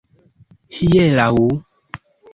hieraŭ